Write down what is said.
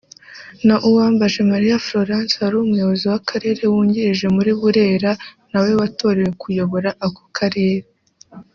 na Uwambajemariya Florence wari Umuyobozi w’Akarere wungirije muri Burera nawe watorewe kuyobora ako Karere